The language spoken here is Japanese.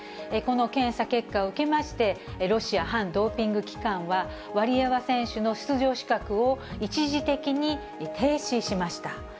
この検査結果を受けまして、ロシア反ドーピング機関は、ワリエワ選手の出場資格を一時的に停止しました。